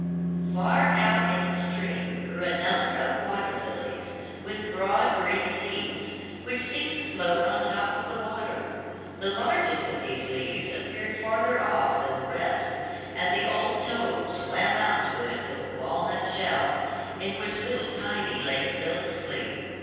Far out in the stream grew a number of water lilies, with broad green leaves, which seemed to float on the top of the water. The largest of these leaves appeared farther off than the rest, and the old toad swam out to it with the walnut shell, in which little Tiny lay still asleep.